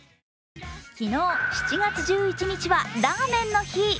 昨日、７月１１日はラーメンの日。